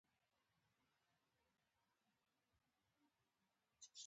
بیرته یې ګرم کړئ